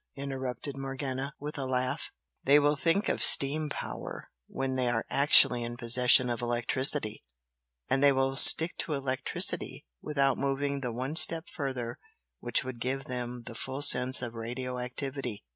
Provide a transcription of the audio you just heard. interrupted Morgana, with a laugh "They will think of steam power when they are actually in possession of electricity! and they will stick to electricity without moving the one step further which would give them the full use of radio activity!